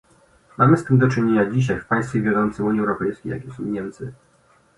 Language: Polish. Mamy z tym do czynienia dzisiaj w państwie wiodącym Unii Europejskiej, jakim są Niemcy